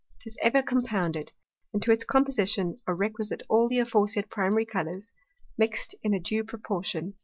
'Tis ever compounded, and to its Composition are requisite all the aforesaid primary Colours, mix'd in a due proportion.